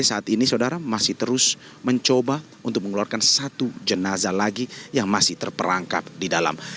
saat ini saudara masih terus mencoba untuk mengeluarkan satu jenazah lagi yang masih terperangkap di dalam